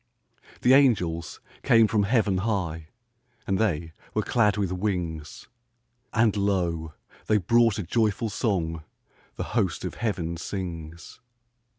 The angels came from heaven high, And they were clad with wings; And lo, they brought a joyful song The host of heaven sings.